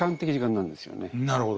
なるほど。